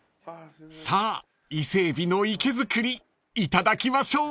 ［さあ伊勢えびの生け造りいただきましょう］